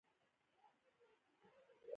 بند امیر د افغانستان د طبیعت رښتینی جوهر دی.